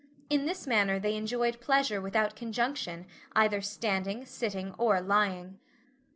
In this manner they enjoyed pleasure without conjunction, either standing, sitting or lying.